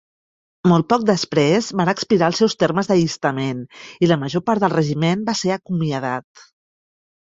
Molt poc després, van expirar els seus termes d'allistament, i la major part del regiment va ser acomiadat.